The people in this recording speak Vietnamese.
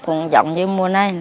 cũng giọng như mùa này